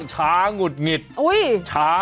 ฮ่าฮ่า